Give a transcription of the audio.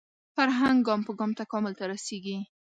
فرهنګ ګام په ګام تکامل ته رسېږي